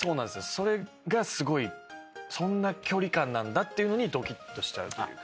それがすごいそんな距離感なんだっていうのにドキッとしちゃうというか。